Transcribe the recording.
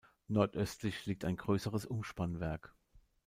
Nordöstlich liegt ein größeres Umspannwerk.